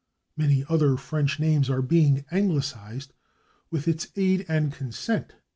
Many other French names are being anglicized with its aid and consent.